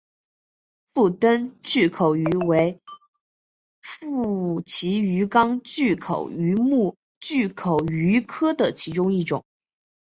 腹灯巨口鱼为辐鳍鱼纲巨口鱼目巨口鱼科的其中一种。